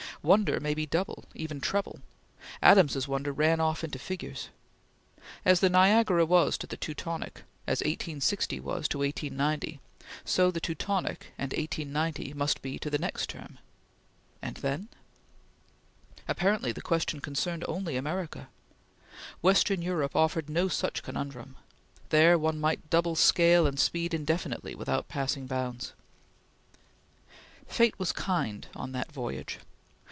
Wonder may be double even treble. Adams's wonder ran off into figures. As the Niagara was to the Teutonic as 1860 was to 1890 so the Teutonic and 1890 must be to the next term and then? Apparently the question concerned only America. Western Europe offered no such conundrum. There one might double scale and speed indefinitely without passing bounds. Fate was kind on that voyage.